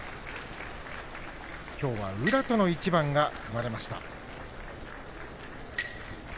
きょうは宇良との一番が組まれました。